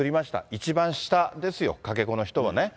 一番下ですよ、かけ子の人はね。